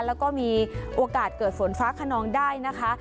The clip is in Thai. แล้วก็มีโอกาสเกิดฝนฟ้าขนองได้นะคะ